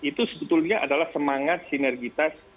itu sebetulnya adalah semangat sinergitas